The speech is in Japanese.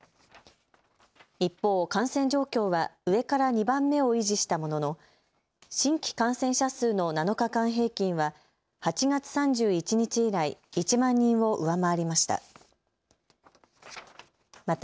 一方、感染状況は上から２番目を維持したものの、新規感染者数の７日間平均は８月３１日以来、１万人を上回りました。